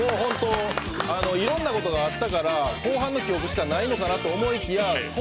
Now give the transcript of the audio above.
いろんなことがあったから後半の記憶しかないのかなと思いきや昴